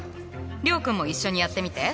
諒君も一緒にやってみて。